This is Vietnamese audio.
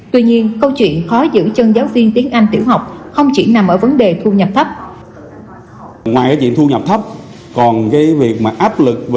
tuy nhiên câu chuyện khó giữ chân giáo viên tiếng anh tiểu học